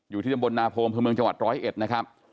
อยู่ที่จำบลนาโพมพื้นเมืองจังหวัด๑๐๑นะครับ